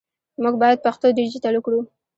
موږ باید پښتو ډیجیټل کړو